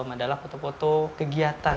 adalah foto foto kegiatan